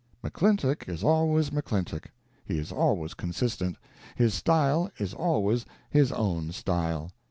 McClintock is always McClintock, he is always consistent, his style is always his own style.